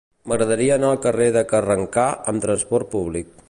M'agradaria anar al carrer de Carrencà amb trasport públic.